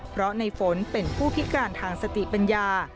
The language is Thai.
เพราะในฝนเป็นผู้พิการทางสติปัญญา